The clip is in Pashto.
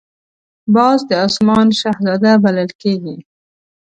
باز د آسمان شهزاده بلل کېږي